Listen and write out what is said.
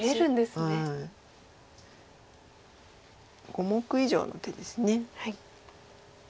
５目以上の手です。